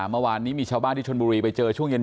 เมื่อวานนี้มีชาวบ้านที่ชนบุรีไปเจอช่วงเย็น